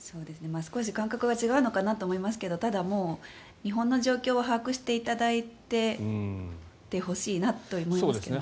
少し感覚が違うのかなと思いますけど日本の状況は把握していただいてほしいなと思いますけどね。